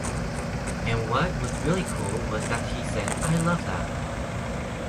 And what was really cool was that he said 'I love that!'.